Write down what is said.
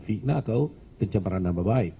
fitnah atau pencemaran nama baik